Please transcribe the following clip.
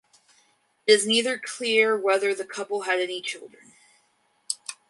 It is neither clear whether the couple had any children.